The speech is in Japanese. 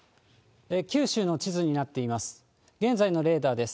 九州の地図になっています。